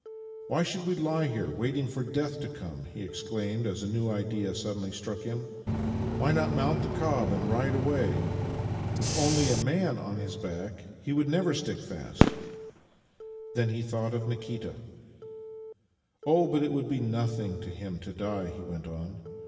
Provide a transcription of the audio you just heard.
" Why should we lie here, waiting for death to come? " he exclaimed as a new idea suddenly struck him. " Why not mount the cob and ride away? V With only a man on his back he would never stick k(_ fast." Then he thought of Nikita " Oh, but it would be nothing to him to die," he went on.